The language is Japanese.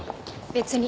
別に。